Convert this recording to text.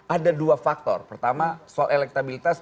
ada dua faktor pertama soal elektabilitas